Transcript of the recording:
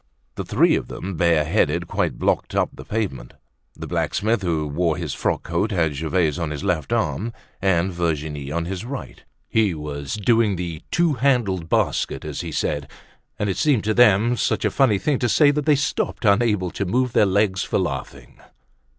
The three of them, bareheaded, quite blocked up the pavement. The blacksmith who wore his frock coat, had Gervaise on his left arm and Virginie on his right; he was doing the two handled basket as he said; and it seemed to them such a funny thing to say that they stopped, unable to move their legs for laughing.